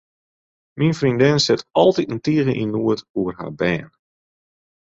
Myn freondinne sit altiten tige yn noed oer har bern.